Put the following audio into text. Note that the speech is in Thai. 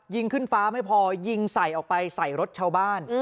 ยิงขึ้นฟ้าไม่พอยิงใส่ออกไปใส่รถชาวบ้าน